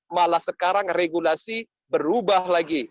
malah sekarang regulasi berubah lagi